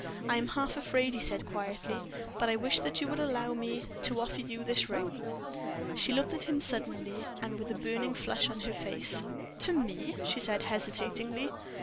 "I am half afraid," he said, quietly; "but I wish that you would allow me to offer you this ring." She looked at him suddenly, and with a burning flush on her face. "To me?" she said, hesitatingly.